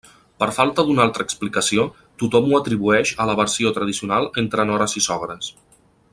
Per falta d'una altra explicació, tothom ho atribueix a l'aversió tradicional entre nores i sogres.